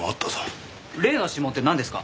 例の指紋ってなんですか？